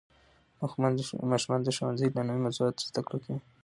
ماشومان د ښوونځي له نوې موضوعاتو زده کړه کوي